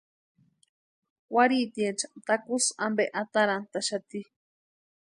Warhitiecha takusï ampe atarantaxati.